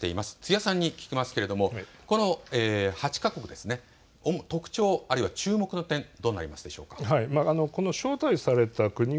津屋さんに聞きますけれどもこの８か国、特徴あるいは注目の点、どうなりますでしょうか。